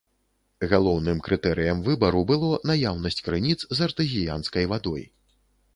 Галоўным крытэрыем выбару было наяўнасць крыніц з артэзіянскай вадой.